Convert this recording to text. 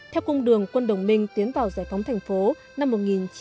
theo cung đường quân đồng minh tiến vào giải phóng thành phố năm một nghìn chín trăm bảy mươi